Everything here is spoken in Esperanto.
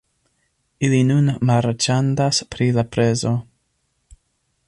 Ili nun marĉandas pri la prezo